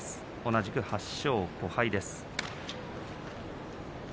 同じく８勝５敗。